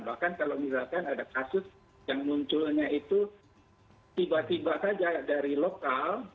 bahkan kalau misalkan ada kasus yang munculnya itu tiba tiba saja dari lokal